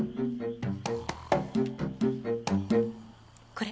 これ？